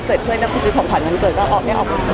ก็คุยกันมากขึ้นกว่ามันคือเค้าค่อยเป็นเพื่อน